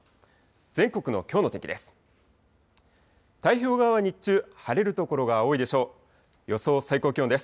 全国のきょうの天気です。